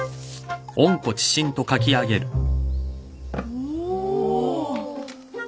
おお。